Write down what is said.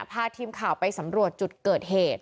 พาทีมข่าวไปสำรวจจุดเกิดเหตุ